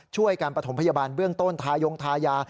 ช่วยการประถมพยาบาลเบื้องต้นทายงทายา